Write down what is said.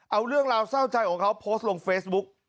เอาเรื่องราวเศร้าใจของเขาโพสต์ลงเฟซบุ๊ก